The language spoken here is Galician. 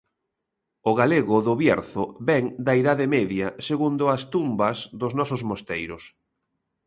O galego do Bierzo vén da Idade Media, segundo as tumbas dos nosos mosteiros.